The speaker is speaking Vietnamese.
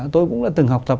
tôi cũng đã từng học tập